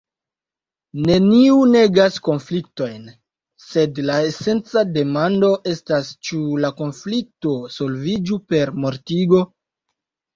Neniu negas konfliktojn, sed la esenca demando estas, ĉu la konflikto solviĝu per mortigo?